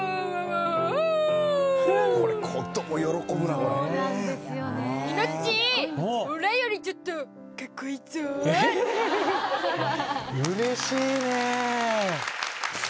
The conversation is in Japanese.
うれしいね。